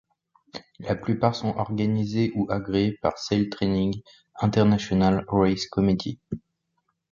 La plupart sont organisées ou agréées par Sail Training International Race Committee.